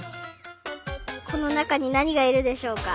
このなかになにがいるでしょうか？